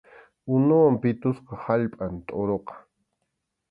Unuwan pitusqa allpam tʼuruqa.